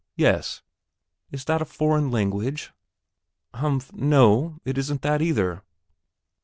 "Yes." "Is that a foreign language?" "Humph no, it isn't that either!"